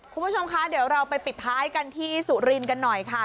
คุณผู้ชมคะเดี๋ยวเราไปปิดท้ายกันที่สุรินทร์กันหน่อยค่ะ